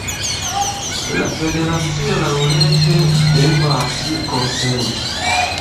La Federacio laŭleĝe devas konsenti.